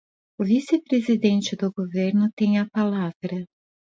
O vice-presidente do governo tem a palavra.